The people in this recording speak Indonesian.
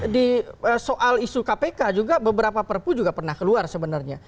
di soal isu kpk juga beberapa perpu juga pernah keluar sebenarnya